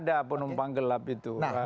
ada pendukung gelap itu